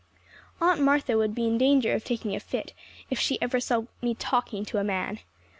Aunt Martha would be in danger of taking a fit if she ever saw me talking to a man.